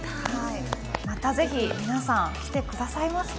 またぜひ皆さん来て下さいますか？